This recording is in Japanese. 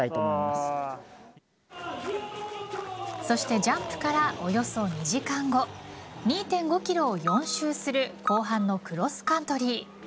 そしてジャンプからおよそ２時間後２．５キロを４周する後半のクロスカントリー。